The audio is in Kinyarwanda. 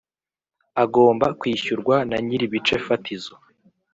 Agomba kwishyurwa ba nyir ibice fatizo